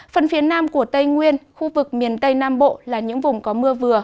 phần phía nam của tây nguyên khu vực miền tây nam bộ là những vùng có mưa vừa